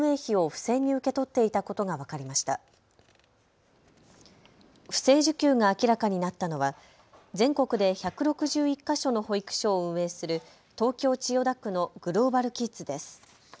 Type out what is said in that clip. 不正受給が明らかになったのは全国で１６１か所の保育所を運営する東京千代田区のグローバルキッズです。